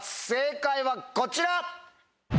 正解はこちら！